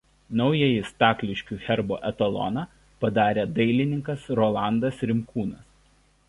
Naująjį Stakliškių herbo etaloną padarė dailininkas Rolandas Rimkūnas.